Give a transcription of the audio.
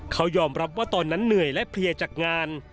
เขายอมรับว่าตอนนั้นเหนื่อยและเพลียจากงาน